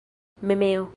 memeo